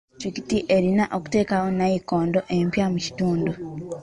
Disitulikiti erina okuteekawo nayikondo empya mu kitundu.